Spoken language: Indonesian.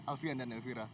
alfian dan elvira